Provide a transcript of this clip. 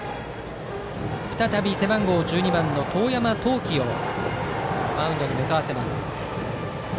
再び背番号１２番の遠山至祈をマウンドに向かわせます。